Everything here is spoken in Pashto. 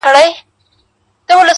• هغه د پېښې حقيقت غواړي ډېر..